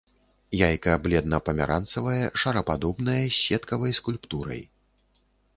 Яйка бледна-памяранцавае, шарападобнае, з сеткаватай скульптурай.